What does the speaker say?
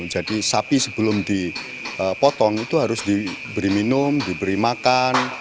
jadi sapi sebelum dipotong itu harus diberi minum diberi makan